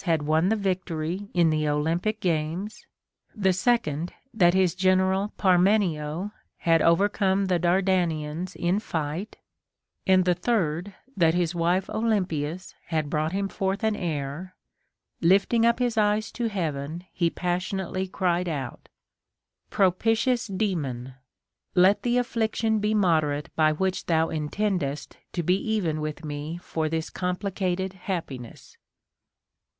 had won the victory in the Olympic games, the second, that his general Parmenio had overcome the Dardanians in fight, and the third, that his wife Olympias had brought him forth an heir, — lifting up his eyes to heaven, he passionately cried out, Propitious Daemon ! let the affliction be moderate by which thou intendest to be even with me for this compli cated happiness.